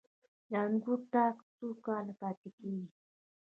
د انګورو تاک څو کاله پاتې کیږي؟